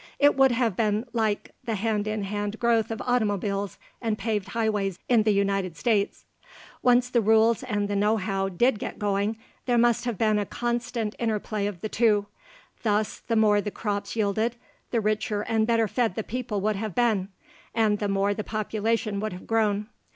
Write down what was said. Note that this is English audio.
It would have been like the hand in hand growth of automobiles and paved highways in the United States. Once the rules and the know how did get going, there must have been a constant interplay of the two. Thus, the more the crops yielded, the richer and better fed the people would have been, and the more the population would have grown.